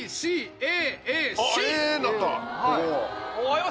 はい。